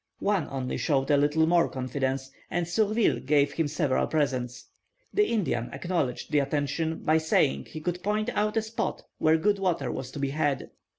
One only showed a little more confidence, and Surville gave him several presents. The Indian acknowledged the attention, by saying he could point out a spot where good water was to be had.